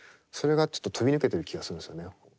それがちょっと飛び抜けてる気がするんですよね。